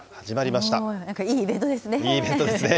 まなんか、いいイベントですね。